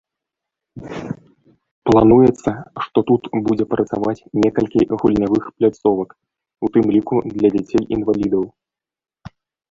Плануецца, што тут будзе працаваць некалькі гульнявых пляцовак, у тым ліку для дзяцей-інвалідаў.